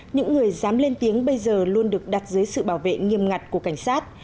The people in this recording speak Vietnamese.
những người dám lên tiếng bây giờ luôn được đặt dưới sự bảo vệ nghiêm ngặt của cảnh sát